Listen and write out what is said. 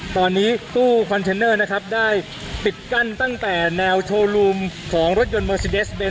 ทางกลุ่มมวลชนทะลุฟ้าทางกลุ่มมวลชนทะลุฟ้า